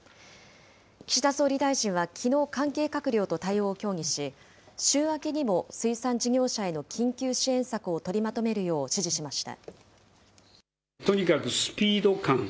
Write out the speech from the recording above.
岸田総理大臣はきのう、関係閣僚と対応を協議し、週明けにも水産事業者への緊急支援策を取りまとめるよう指示しました。